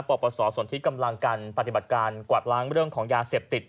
ปปศส่วนที่กำลังการปฏิบัติการกวาดล้างเรื่องของยาเสพติด